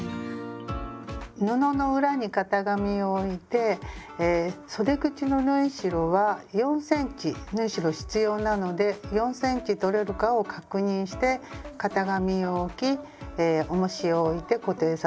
布の裏に型紙を置いてそで口の縫い代は４ｃｍ縫い代必要なので４ｃｍとれるかを確認して型紙を置きおもしを置いて固定させます。